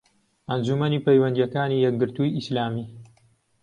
ئەنجومەنی پەیوەندییەکانی یەکگرتووی ئیسلامی